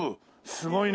すごいね。